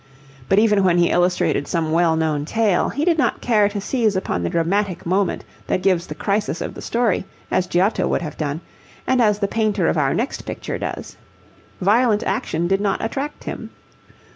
But even when he illustrated some well known tale, he did not care to seize upon the dramatic moment that gives the crisis of the story, as Giotto would have done, and as the painter of our next picture does. Violent action did not attract him.